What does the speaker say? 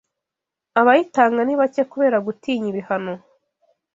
Abayitanga ni bake kubera gutinya ibihano